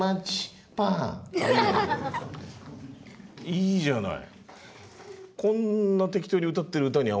いいじゃない。